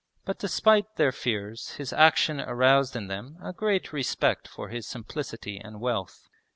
But despite their fears his action aroused in them a great respect for his simplicity and wealth.